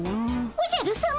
おじゃるさま。